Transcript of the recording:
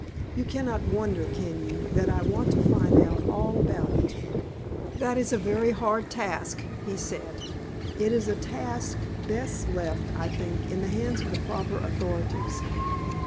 You cannot wonder, can you, that I want to find out all about it?" "That is a very hard task," he said. "It is a task best left, I think, in the hands of the proper authorities."